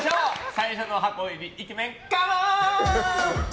最初の箱入りイケメンカモーン！